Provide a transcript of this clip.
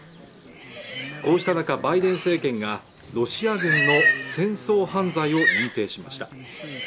こうした中、バイデン政権がロシア軍の戦争犯罪を認定しました